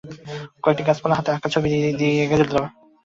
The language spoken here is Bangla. কয়েকটি গাছপালার হাতে-আঁকা ছবি দিয়ে গিয়েছেন, আর তো কিছুই বলেন নি।